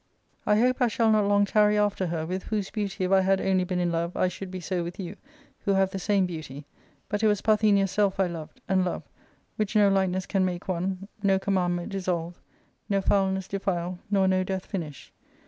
I hope L shall not long tarry after her, with whose teauty if I had i only been in love, I should be so with you, who have the \ same beauty ; but it was Parthenia's self I loved, and love, \ which no likeness can make one, no commandment dissolve, no foulness defile, nor no death finish."